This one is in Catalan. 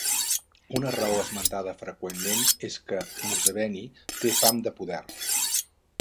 Una raó esmentada freqüentment és que Museveni té "fam de poder".